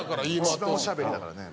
一番おしゃべりだからね。